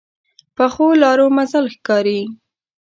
پخو لارو منزل ښکاري